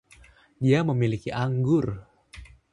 Dia memiliki anggur.